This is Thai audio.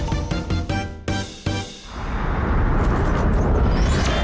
โปรดติดตามตอนต่อไป